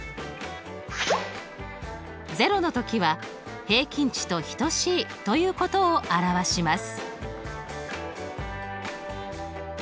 ０の時は平均値と等しいということを表します。